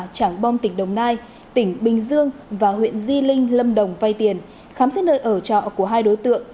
trảng bom tỉnh đồng nai tỉnh bình dương và huyện di linh lâm đồng vay tiền khám xét nơi ở trọ của hai đối tượng